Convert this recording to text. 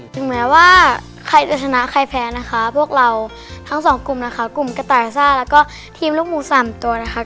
ถึงแม้ว่าใครจะชนะใครแพ้นะคะพวกเราทั้งสองกลุ่มนะคะกลุ่มกระต่ายซ่าแล้วก็ทีมลูกหมูสามตัวนะคะ